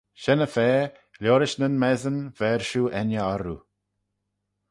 Shen-y-fa liorish nyn messyn ver shiu enney orroo.